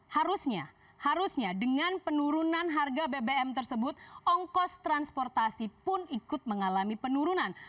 harusnya harusnya dengan penurunan harga bbm tersebut ongkos transportasi pun ikut mengalami penurunan